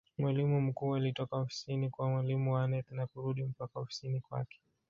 Mwalimu mkuu alitoka ofisini kwa mwalimu Aneth na kurudi mpaka ofisini kwake